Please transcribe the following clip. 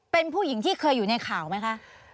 เป็นผู้หญิงที่เคยอยู่ในข่าวไหมคะ